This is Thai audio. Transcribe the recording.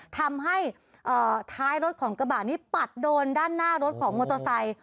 ทำให้ท้ายรถของกระบะนี้ปัดโดนด้านหน้ารถของมอเตอร์ไซค์